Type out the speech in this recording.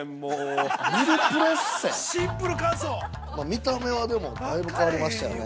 見た目は、でも大分変わりましたよね。